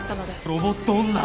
ロボット女！